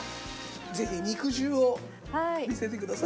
ぜひ肉汁を見せてください。